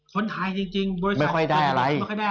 คนไทยจริงบริษัทไม่ค่อยได้อะไร